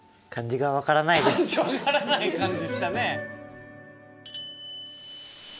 漢字分からない感じしたね。